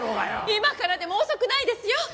今からでも遅くないですよ。